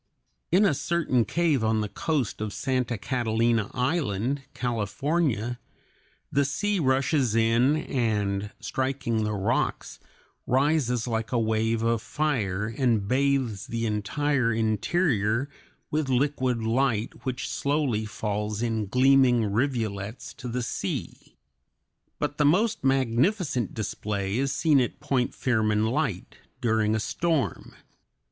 In a certain cave on the coast of Santa Catalina Island, California, the sea rushes in and, striking the rocks, rises like a wave of fire and bathes the entire interior with liquid light which slowly falls in gleaming rivulets to the sea. But the most magnificent display is seen at Point Firmin Light during a storm.